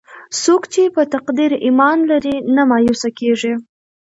څوک چې په تقدیر ایمان لري، نه مایوسه کېږي.